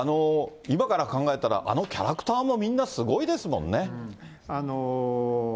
今から考えたら、あのキャラクターもみんな、すごいですもんね。